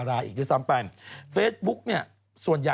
จากกระแสของละครกรุเปสันนิวาสนะฮะ